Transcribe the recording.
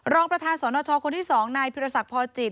รองประธานสนชคนที่๒นายพิรษักพอจิต